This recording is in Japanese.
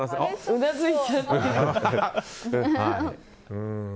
うなずいた。